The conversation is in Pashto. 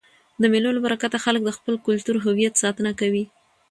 د مېلو له برکته خلک د خپل کلتوري هویت ساتنه کوي.